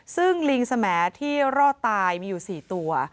ซึ่งลิงสมที่รอดตายมีอยู่๔ตัว